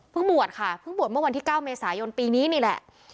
บวชค่ะเพิ่งบวชเมื่อวันที่๙เมษายนปีนี้นี่แหละ